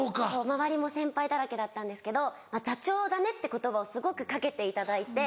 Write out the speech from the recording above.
周りも先輩だらけだったんですけど「座長だね」って言葉をすごくかけていただいて。